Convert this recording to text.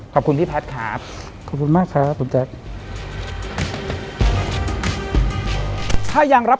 ขอบคุณพี่พัทธ์ครับ